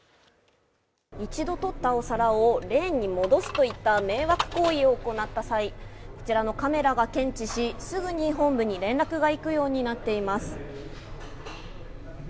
一度取ったお皿をレーンに戻すといった迷惑行為を行った際、こちらのカメラが検知し、すぐに本部に連絡が行くようになっています。